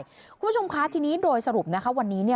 คุณผู้ชมคะทีนี้โดยสรุปวันนี้